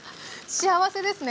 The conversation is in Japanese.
幸せですね